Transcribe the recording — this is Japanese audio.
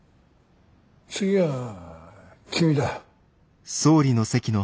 次は君だ。